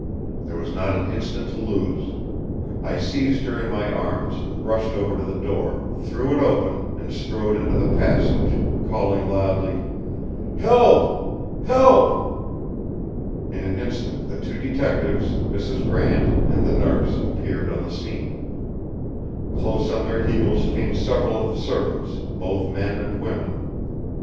There was not an instant to lose. I seized her in my arms and rushed over to the door, threw it open, and strode into the passage, calling loudly: "Help! Help!" In an instant the two Detectives, Mrs. Grant, and the Nurse appeared on the scene. Close on their heels came several of the servants, both men and women.